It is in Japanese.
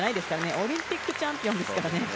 オリンピックチャンピオンですからね。